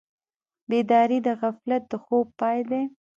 بیداري د غفلت د خوب پای دی.